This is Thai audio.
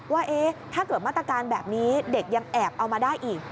ว่าถ้าเกิดมาตรการแบบนี้เด็กยังแอบเอามาได้อีก